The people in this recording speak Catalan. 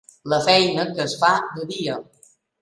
La feina que es fa de dia.